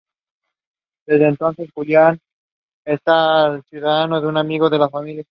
Desde entonces Julian está al cuidado de un amigo de la familia.